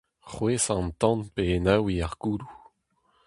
C'hwezhañ an tan pe enaouiñ ar gouloù.